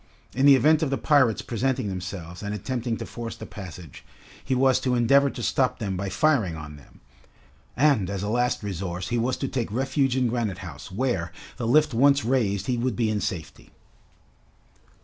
In the event of the pirates presenting themselves and attempting to force the passage, he was to endeavor to stop them by firing on them, and as a last resource he was to take refuge in Granite House, where, the lift once raised, he would be in safety.